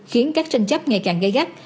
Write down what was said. khiến các tranh chấp ngày càng gây gắt